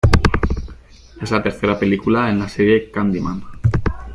Es la tercera película en la serie "Candyman".